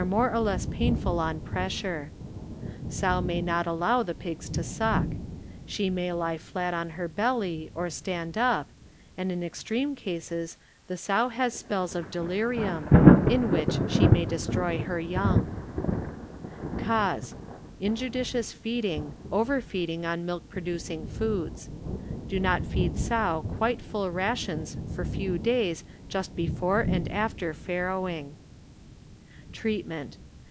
nore or less painful on pressure. Sow may not allow the pigs to suck ; she may lie flat on her Digitized b^GOO'^IC CLASSIFIED BUSINESS DIBECTORY bell7 or stand up, and in extreme cases the sow has spells of delirium, in which she may destroy her young. Cause. ŌĆö Injudicious feeding, overfeed ing on milk producing foods. Do not feed sow quite full rations for few days just before and after farrowing. Treatment.